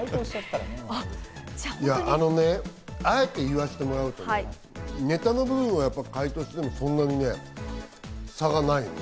いや、あのね、あえて言わせてもらうとね、ネタの部分はやっぱり解凍しても、そんなに差がないのよ。